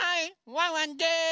ワンワンです！